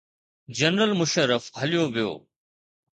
General Musharraf هليو ويو.